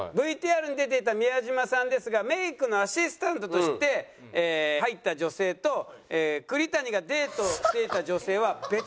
ＶＴＲに出ていた宮嶋さんですがメイクのアシスタントとして入った女性と栗谷がデートをしていた女性は別人なんです。